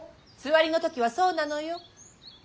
つわりの時はそうなのよ。